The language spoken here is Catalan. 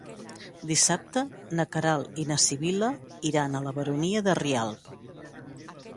Dissabte na Queralt i na Sibil·la iran a la Baronia de Rialb.